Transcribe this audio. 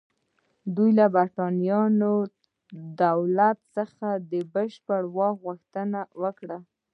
دوی له برېټانیا دولت څخه د بشپړې خپلواکۍ غوښتنه وکړه.